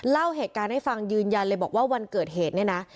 เล่าเหตุการณ์ให้ฟังยืนยันเลยบอกว่าวันเกิดเหตุเนี่ยนะ